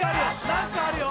何かあるよ